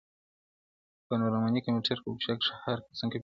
په نورانی کمپیوټر ورکشاپ کښی هرقسم کمپیوټران جوړیږی .